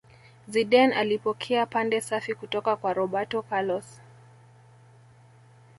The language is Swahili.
zidane alipokea pande safi kutoka kwa roberto carlos